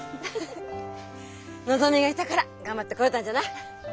のぞみがいたから頑張ってこれたんじゃない。